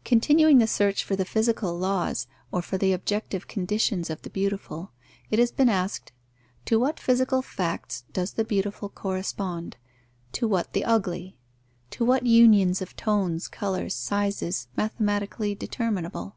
_ Continuing the search for the physical laws or for the objective conditions of the beautiful, it has been asked: To what physical facts does the beautiful correspond? To what the ugly? To what unions of tones, colours, sizes, mathematically determinable?